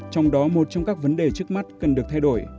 trong đó một trong các vấn đề trước mắt cần được thay đổi